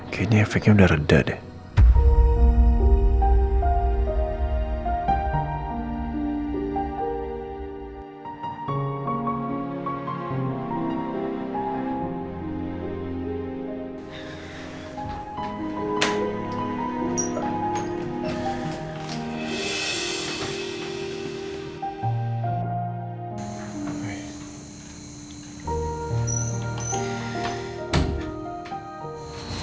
kayaknya efeknya udah reda deh